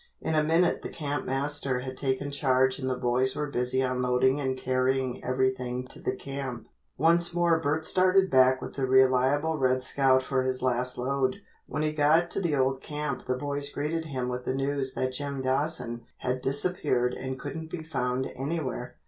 In a minute the Camp Master had taken charge and the boys were busy unloading and carrying everything to the camp. Once more Bert started back with the reliable "Red Scout" for his last load. When he got to the old camp the boys greeted him with the news that Jim Dawson had disappeared and couldn't be found anywhere.